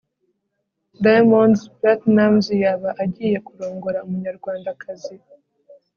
Diamonds Platinums yaba agiye kurongora umunyarwandakazi